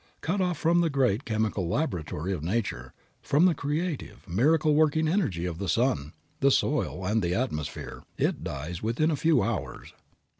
Cut off from the great chemical laboratory of Nature, from the creative, miracle working energy of the sun, the soil, and the atmosphere, it dies within a few hours.